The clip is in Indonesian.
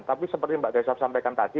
tapi seperti mbak desaf sampaikan tadi